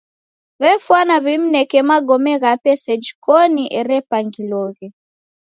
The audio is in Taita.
W'efwana w'imneke magome ghape seji koni erepangiloghe.